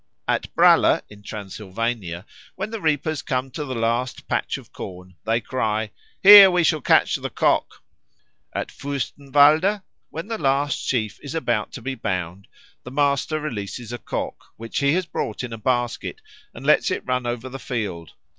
At Braller, in Transylvania, when the reapers come to the last patch of corn, they cry, "Here we shall catch the Cock." At Fürstenwalde, when the last sheaf is about to be bound, the master releases a cock, which he has brought in a basket, and lets it run over the field.